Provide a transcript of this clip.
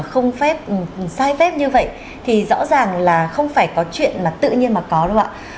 không phép sai phép như vậy thì rõ ràng là không phải có chuyện mà tự nhiên mà có đúng không ạ